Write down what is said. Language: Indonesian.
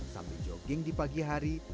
sambil jogging di pagi hari